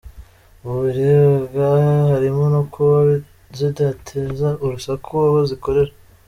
Mu birebwa harimo no kuba zidateza urusaku aho zikorera.